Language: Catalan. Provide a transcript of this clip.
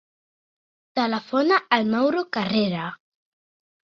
Telefona al Mauro Carrera.